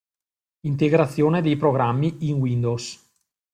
Integrazione dei programmi in Windows.